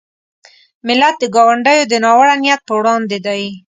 ملت د ګاونډیو د ناوړه نیت په وړاندې دی.